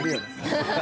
ハハハ